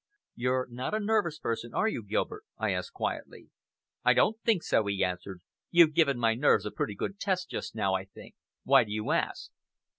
"You're not a nervous person, are you, Gilbert?" I asked quietly. "I don't think so," he answered. "You've given my nerves a pretty good test just now, I think! Why do you ask?"